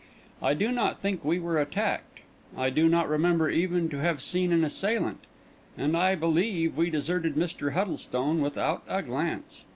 I do not think we were attacked; I do not remember even to have seen an assailant; and I believe we deserted Mr. Huddlestone without a glance.